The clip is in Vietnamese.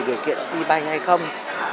điều kiện đi bay hay không